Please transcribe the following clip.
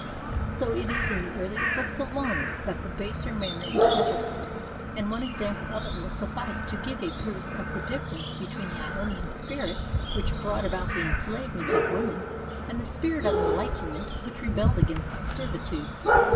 So it is in the earlier books alone that the baser manner is evident, and one example of it will suffice to give a proof of the difference between the Ionian spirit which brought about the enslavement of ATHENS IN THE FIFTH CENTURY 65 women and the spirit of enlightenment which rebelled against that servitude.